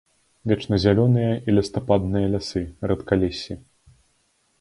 Вечназялёныя і лістападныя лясы, рэдкалессі.